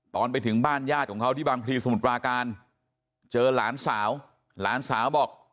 ตอนไปถึงบ้านญาติของเขาที่บางพลีสมุทรปราการเจอหลานสาวหลานสาวบอก